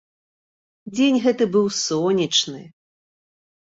Дзень гэты быў сонечны.